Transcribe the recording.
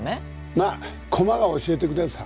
まあ駒が教えてくれるさ。